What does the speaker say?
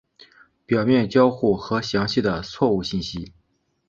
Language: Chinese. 表面交互和详细的错误信息。